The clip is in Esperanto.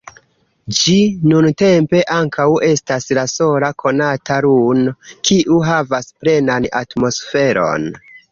Ĝi nuntempe ankaŭ estas la sola konata luno, kiu havas plenan atmosferon.